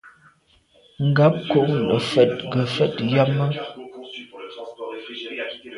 Ngab kô nefèt ngefet yàme.